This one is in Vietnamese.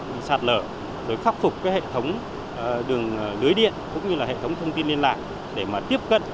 bị sạt lở khắc phục hệ thống đường lưới điện cũng như hệ thống thông tin liên lạc để tiếp cận